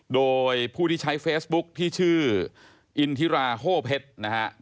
โดยผู้ที่ใช้เฟซบุ๊คที่ชื่ออินทิราโฮเพชรนะฮะ